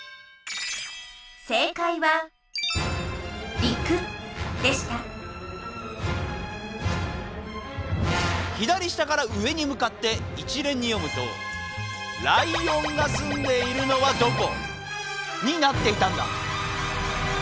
「りく」でした左下から上にむかって一連に読むと「らいおんがすんでいるのはどこ？」になっていたんだ。